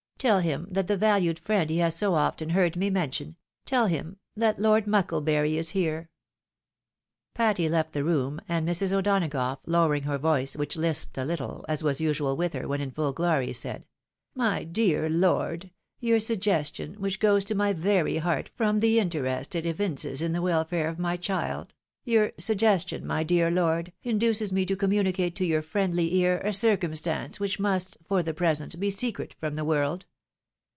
Tell him that the valued Mend he has so often heard me mention — ^tell him — ^that Lord Mucklebury is here !" Patty left the room, and Mrs. O'Donagough lowering her voice, which lisped a little, as was usual with her, when in full glory, said,— " My dear lord, your suggestion, which goes to my very heart from the interest it evinces in the welfare of my child, your suggestion, my dear lord, induces me to communicate to your friendly ear a circumstance which must, for the present, be secret from the world.